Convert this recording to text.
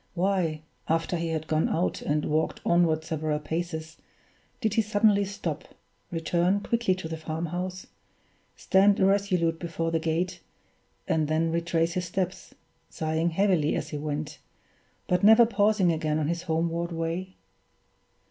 Why, after he had gone out and had walked onward several paces, did he suddenly stop, return quickly to the farmhouse, stand irresolute before the gate, and then retrace his steps, sighing heavily as he went, but never pausing again on his homeward way?